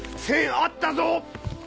千あったぞ！